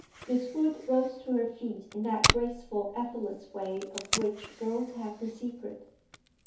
Miss Hood rose to her feet in that graceful effortless way of which girls have the secret.